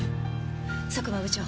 佐久間部長。